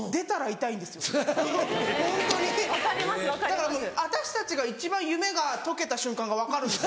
だからもう私たちが一番夢が解けた瞬間が分かるんです。